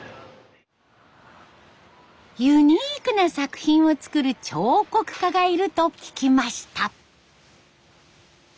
ユニークな作品を作る彫刻家がいると聞きました。